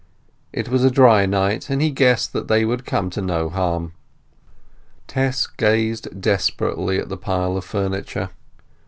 It was a dry night, and he guessed that they would come to no harm. Tess gazed desperately at the pile of furniture.